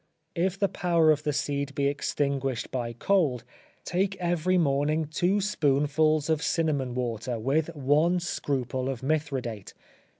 If the power of the seed be extinguished by cold, take every morning two spoonfuls of cinnamon water, with one scruple of mithridate.